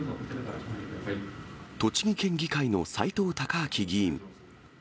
栃木県議会の斉藤孝明議員。